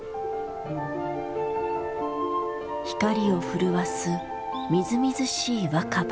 光を震わすみずみずしい若葉。